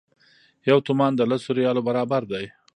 یو تومان د لسو ریالو برابر دی.